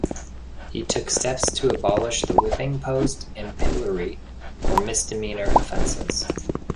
He took steps to abolish the whipping post and pillory for misdemeanor offenses.